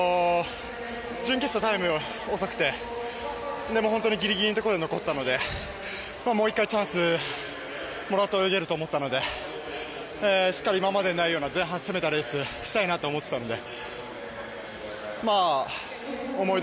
準決勝、タイム遅くてでも本当にギリギリのところで残ったのでもう１回チャンスをもらって泳げると思ったのでしっかり今までにないような前半、攻めたレースをしたいなと思っていたので思い